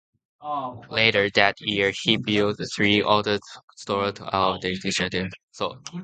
Later that year he built three other stores at different locations.